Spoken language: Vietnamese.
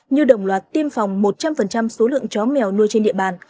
như đồng loạt tiêm phòng một trăm linh số lượng chó mèo nuôi trên địa bàn